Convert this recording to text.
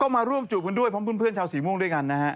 มาร่วมจูบกันด้วยพร้อมเพื่อนชาวสีม่วงด้วยกันนะฮะ